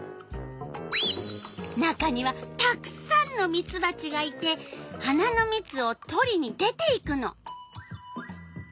中にはたくさんのミツバチがいて花のみつをとりに出ていくの。